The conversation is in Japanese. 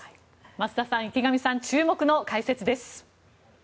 増田さん、池上さん注目の解説です。